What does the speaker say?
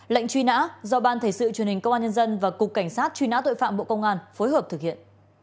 lệnh truy nã do ban thể sự truyền hình công an nhân dân và cục cảnh sát truy nã tội phạm bộ công an phối hợp thực hiện